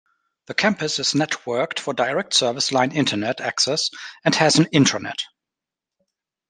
The campus is networked for direct service line internet access and has an intranet.